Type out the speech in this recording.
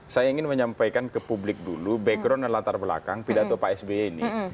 saya ingin menyampaikan ke publik dulu background dan latar belakang pidato pak sby ini